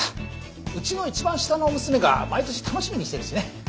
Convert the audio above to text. うちの一番下の娘が毎年楽しみにしてるしね。